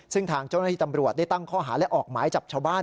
ซึ่งทางเจ้าหน้าที่ตำรวจได้ตั้งข้อหาและออกหมายจับชาวบ้าน